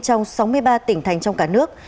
trong sáu mươi ba tỉnh thành trong cả nước